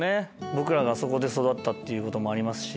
僕らがあそこで育ったってこともありますし。